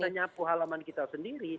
kita nyapu halaman kita sendiri